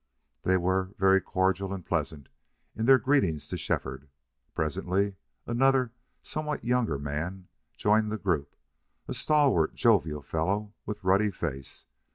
They were very cordial and pleasant in their greetings to Shefford. Presently another, somewhat younger, man joined the group, a stalwart, jovial fellow with ruddy face.